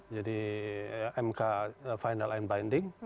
jadi mk final and binding